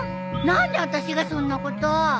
何であたしがそんなこと！